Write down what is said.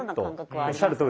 おっしゃるとおりです。